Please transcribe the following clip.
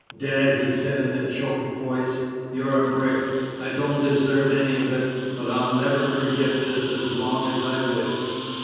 "Dad," he said in a choked voice, "you're a brick! I don't deserve any of it, but I'll never forget this as long as I live."